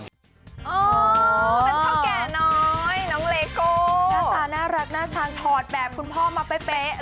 เป็นเขาแก่น้อยน้องเลโก